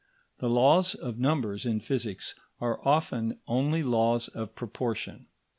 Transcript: The laws of numbers in physics are often only laws of proportion.